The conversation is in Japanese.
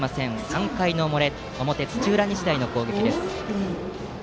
３回の表、土浦日大の攻撃です。